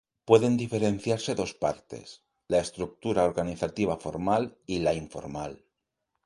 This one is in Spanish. Pueden diferenciarse dos partes: la estructura organizativa formal y la informal.